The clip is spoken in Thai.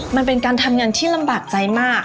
มันเป็นการทำงานที่ลำบากใจมาก